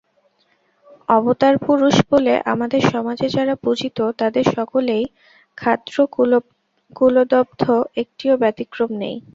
অবতারপুরুষ বলে আমাদের সমাজে যাঁরা পূজিত, তাঁদের সকলেই ক্ষাত্রকুলোদ্ভব, একটিও ব্যতিক্রম নেই।